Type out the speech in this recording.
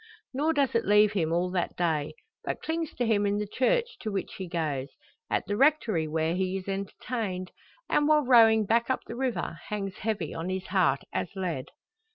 Nor does it leave him all that day; but clings to him in the church, to which he goes; at the Rectory, where he is entertained; and while rowing back up the river hangs heavy on his heart as lead!